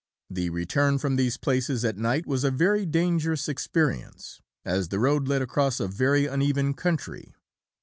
The return from these places at night was a very dangerous experience, as the road led across a very uneven country.